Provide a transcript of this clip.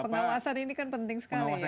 pengawasan ini kan penting sekali ya pak